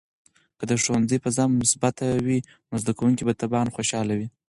که د ښوونځي فضا مثبته وي، نو زده کوونکي به طبعاً خوشحال وي.